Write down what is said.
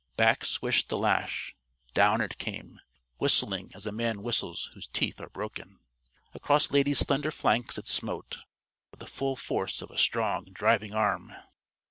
Back swished the lash. Down it came, whistling as a man whistles whose teeth are broken. Across Lady's slender flanks it smote, with the full force of a strong driving arm.